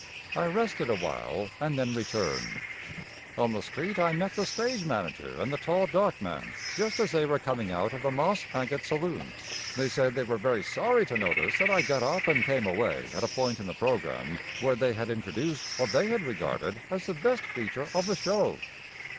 I rested awhile and then returned. On the street I met the stage manager and the tall, dark man just as they were coming out of the Moss Agate saloon. They said they were very sorry to notice that I got up and came away at a point in the programme where they had introduced what they had regarded as the best feature of the show.